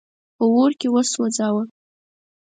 په اور کي وسوځاوه.